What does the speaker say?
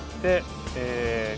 ええ。